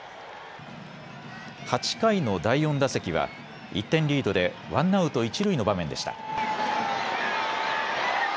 ８回の第４打席は１点リードでワンアウト一塁の場面でした。